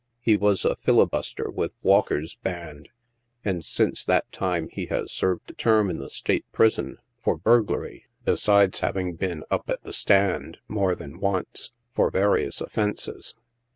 He was a filibuster with Walker's band, and since that time he has served a term in the State Prison, for bur glary, besides having been ' up at the stand,' more than once, for va rious offences.